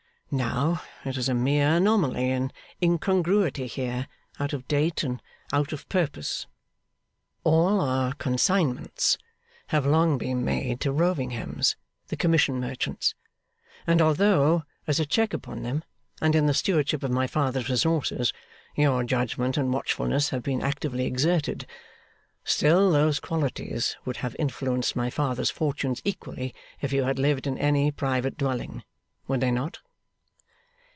Now, it is a mere anomaly and incongruity here, out of date and out of purpose. All our consignments have long been made to Rovinghams' the commission merchants; and although, as a check upon them, and in the stewardship of my father's resources, your judgment and watchfulness have been actively exerted, still those qualities would have influenced my father's fortunes equally, if you had lived in any private dwelling: would they not?